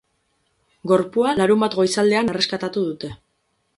Gorpua larunbat goizaldean erreskatatu dute.